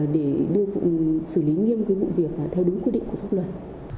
để đưa vụ xử lý nghiêm cứu vụ việc theo đúng quy định của pháp luật